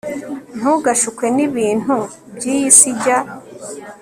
ntugashukwe n'ibintu by'iyi si, jya